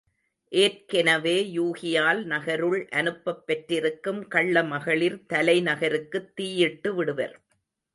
ஏற்கெனவே யூகியால் நகருள் அனுப்பப் பெற்றிருக்கும் கள்ள மகளிர், தலை நகருக்குத் தீயிட்டுவிடுவர்.